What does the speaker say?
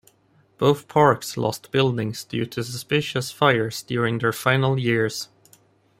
Both parks lost buildings due to suspicious fires during their final years.